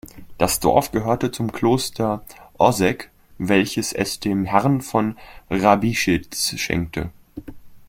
Das Dorf gehörte zum Kloster Ossegg, welches es den Herren von Hrabischitz schenkte.